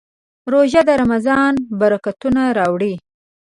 روژه د رمضان برکتونه راوړي.